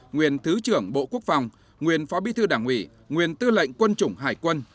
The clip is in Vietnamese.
nguyên thứ trưởng bộ quốc phòng nguyên phó bí thư đảng ủy nguyên tư lệnh quân chủng hải quân